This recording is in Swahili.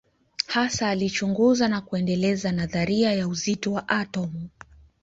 Hasa alichunguza na kuendeleza nadharia ya uzito wa atomu.